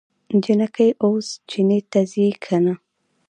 جينکۍ اوس چينې ته ځي که نه؟